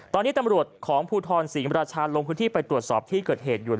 ตอนนี้ตำรวจของภูทรศรีมราชาลงพื้นที่ไปตรวจสอบที่เกิดเหตุอยู่